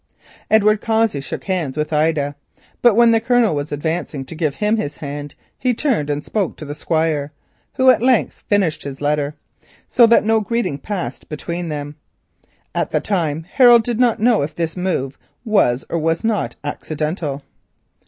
Edward Cossey shook hands with Ida, but when the Colonel was advancing to give him his hand, he turned and spoke to the Squire, who had at length finished his letter, so that no greeting was passed between them. At the time Harold did not know if this move was or was not accidental.